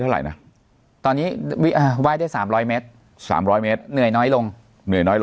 เท่าไหร่นะตอนนี้ไหว้ได้๓๐๐เมตร๓๐๐เมตรเหนื่อยน้อยลงเหนื่อยน้อย